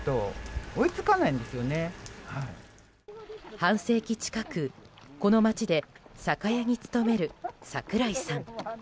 半世紀近くこの町で酒屋に勤める桜井さん。